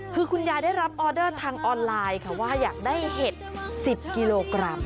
คือคุณยายได้รับออเดอร์ทางออนไลน์ค่ะว่าอยากได้เห็ด๑๐กิโลกรัม